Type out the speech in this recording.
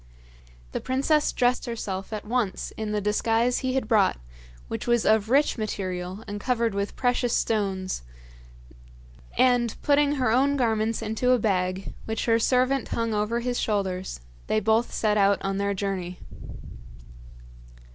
The princess dressed herself at once in the disguise he had brought, which was of rich material and covered with precious stones; and, putting her own garments into a bag, which her servant hung over his shoulders, they both set out on their journey.